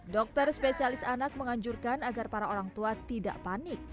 dokter spesialis anak menganjurkan agar para orang tua tidak panik